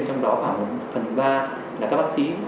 trong đó khoảng phần ba là các bác sĩ